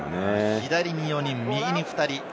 左に４人、右に２人。